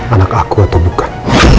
anak aku atau bukan